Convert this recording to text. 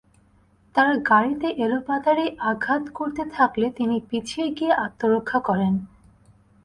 তারা গাড়িতে এলোপাতাড়ি আঘাত করতে থাকলে তিনি পিছিয়ে গিয়ে আত্মরক্ষা করেন।